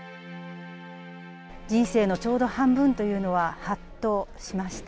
人生のちょうど半分というのは、はっとしました。